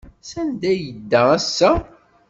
Sanda ay yedda ass-a?